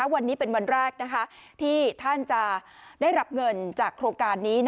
วันนี้เป็นวันแรกที่ท่านจะได้รับเงินจากโครงการนี้